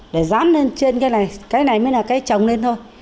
để dán lên trên cái này cái này mới là cái trồng lên thôi